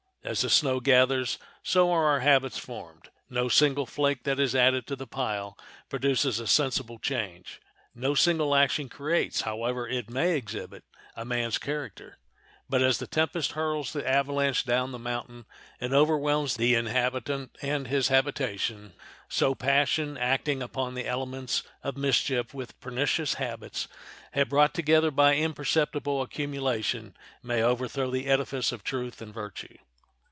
As the snow gathers so are our habits formed; no single flake that is added to the pile produces a sensible change; no single action creates, however it may exhibit, a man's character. But as the tempest hurls the avalanche down the mountain and overwhelms the inhabitant and his habitation, so passion, acting upon the elements of mischief which pernicious habits have brought together by imperceptible accumulation, may overthrow the edifice of truth and virtue.